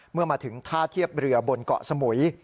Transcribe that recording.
เมื่อมาถึงท่าเทียบเรือบนเกาะสมุย